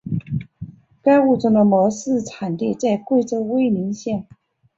该物种的模式产地在贵州威宁县。